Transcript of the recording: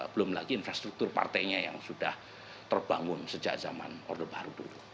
belum lagi infrastruktur partainya yang sudah terbangun sejak zaman orde baru dulu